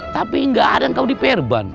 tapi nggak ada yang kau di perban